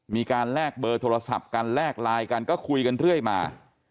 แลกเบอร์โทรศัพท์กันแลกไลน์กันก็คุยกันเรื่อยมา